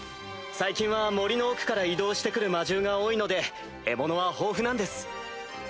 最近は森の奥から移動して来る魔獣が多いので獲物は豊富なんです。